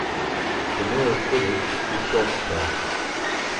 The nearest village is Godstow.